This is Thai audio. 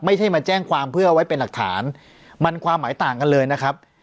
ไม่ใช่มาแจ้งความเพื่อไว้เป็นหลักฐานมันความหมายต่างกันเลยนะครับ